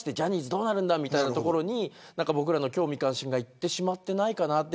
どうなるんだみたいなところに僕らの興味関心がいってしまっていないかなと。